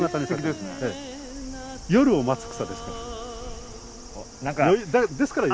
夜を待つ草ですから。